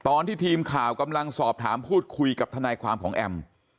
ตอนที่ทีมข่าวกำลังสอบถามพูดคุยกับทนายความของแอม